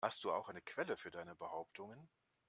Hast du auch eine Quelle für deine Behauptungen?